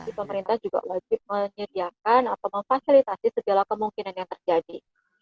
jadi pemerintah juga wajib menyediakan atau memfasilitasi segala kemungkinan yang terjadi